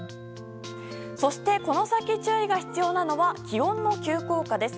そしてこの先、注意が必要なのは気温の急降下です。